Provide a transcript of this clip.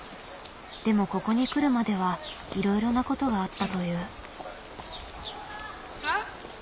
でもここに来るまではいろいろなことがあったという。